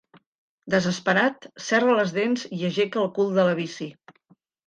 Desesperat, serra les dents i aixeca el cul de la bici.